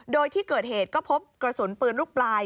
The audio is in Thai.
โดยที่เกิดเหตุก็พบกระสุนปืนลูกปลาย